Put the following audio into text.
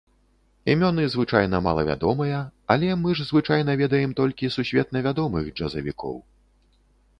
Імёны звычайна малавядомыя, але мы ж звычайна ведаем толькі сусветна вядомых джазавікоў.